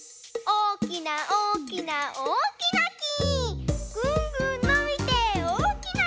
おおきなおおきなおおきなき！